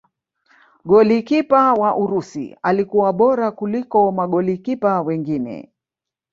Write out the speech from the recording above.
golikipa wa urusi alikuwa bora kuliko magolikipa wengine